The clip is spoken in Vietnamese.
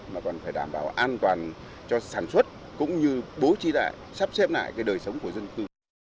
mà còn phải đảm bảo an toàn cho sản xuất cũng như bố trí lại sắp xếp lại cái đời sống của dân cư